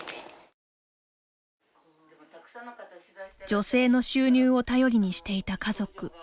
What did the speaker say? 女性の収入を頼りにしていた家族。